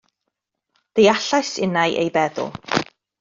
Deallais innau ei feddwl.